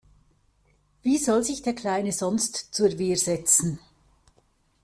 Wie soll sich der Kleine sonst zur Wehr setzen?